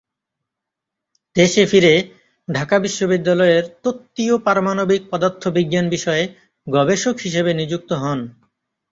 দেশে ফিরে ঢাকা বিশ্ববিদ্যালয়ের তত্ত্বীয় পারমাণবিক পদার্থবিজ্ঞান বিষয়ে গবেষক হিসেবে নিযুক্ত হন।